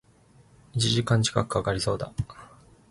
一時間近く掛かりそうだ